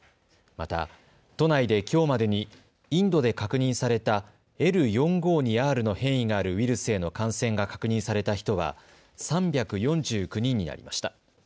また、都内できょうまでにインドで確認されたＬ４５２Ｒの変異があるウイルスへの感染が確認された人は３４９人になりました。